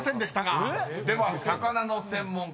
では魚の専門家